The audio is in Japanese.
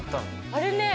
あれね